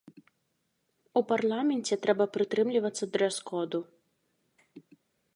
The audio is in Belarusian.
У парламенце трэба прытрымлівацца дрэс-коду.